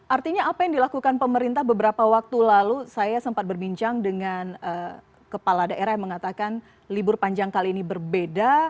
artinya apa yang dilakukan pemerintah beberapa waktu lalu saya sempat berbincang dengan kepala daerah yang mengatakan libur panjang kali ini berbeda